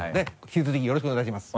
引き続きよろしくお願いします。